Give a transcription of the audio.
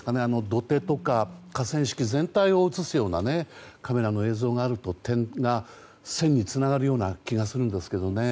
土手とか河川敷全体を映すようなカメラの映像があると点が線につながるような気がするんですけどね。